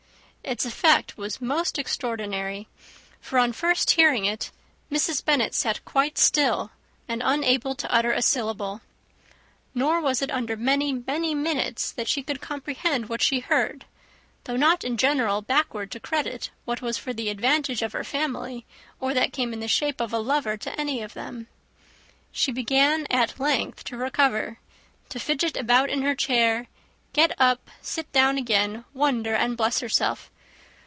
Its effect was most extraordinary; for, on first hearing it, Mrs. Bennet sat quite still, and unable to utter a syllable. Nor was it under many, many minutes, that she could comprehend what she heard, though not in general backward to credit what was for the advantage of her family, or that came in the shape of a lover to any of them. She began at length to recover, to fidget about in her chair, get up, sit down again, wonder, and bless herself.